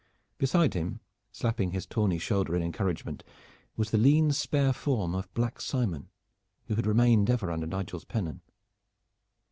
Beside him, slapping his tawny shoulder in encouragement, was the lean spare form of Back Simon who had remained ever under Nigel's pennon.